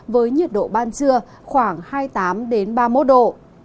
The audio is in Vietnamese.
với nhiệt độ ban trưa khoảng hai mươi tám ba mươi một độ